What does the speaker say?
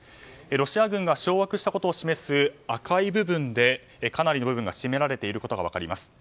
ロシア軍が掌握したことを示す赤い部分でかなりの部分が占められていることが分かります。